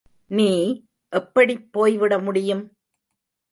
நீ எப்படிப் போய்விட முடியும்?